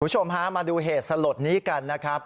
คุณผู้ชมฮะมาดูเหตุสลดนี้กันนะครับ